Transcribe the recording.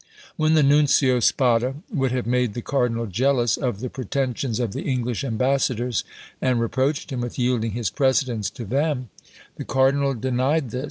When the Nuncio Spada would have made the cardinal jealous of the pretensions of the English ambassadors, and reproached him with yielding his precedence to them, the cardinal denied this.